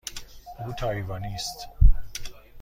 او تایوانی است.